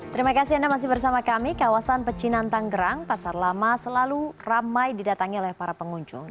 terima kasih anda masih bersama kami kawasan pecinan tanggerang pasar lama selalu ramai didatangi oleh para pengunjung